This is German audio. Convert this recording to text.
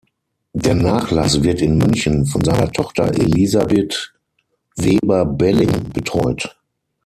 Der Nachlass wird in München von seiner Tochter Elisabeth Weber-Belling betreut.